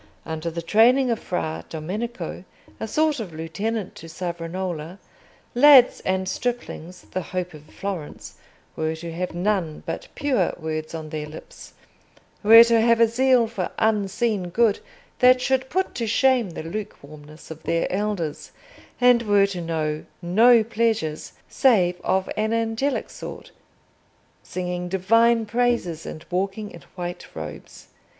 Under the training of Fra Domenico, a sort of lieutenant to Savonarola, lads and striplings, the hope of Florence, were to have none but pure words on their lips, were to have a zeal for Unseen Good that should put to shame the lukewarmness of their elders, and were to know no pleasures save of an angelic sort—singing divine praises and walking in white robes.